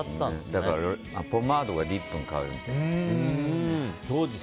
だから、ポマードがワックスに変わるみたいな。